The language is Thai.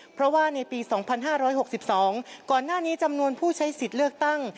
เพราะว่าในปีสองพันห้าร้อยหกสิบสองก่อนหน้านี้จำนวนผู้ใช้สิทธิ์เลือกตั้ง